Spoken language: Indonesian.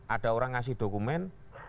ada orang ngasih dokumen